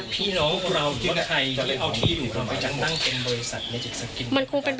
พี่รู้พี่บอกรู้นะ